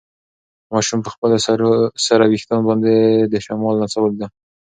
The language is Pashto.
ماشوم په خپلو سره وېښتان باندې د شمال نڅا ولیده.